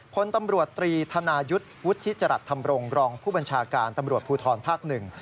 พลตำรวจตรีธนายุทธ์วุฒิจรัสธรรมรงค์รองผู้บัญชาการตำรวจภูทรภาคหนึ่ง